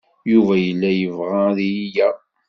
Yuba yella yebɣa ad iyi-yaɣ.